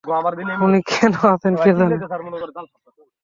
উনি কেন আছেন কে জানে।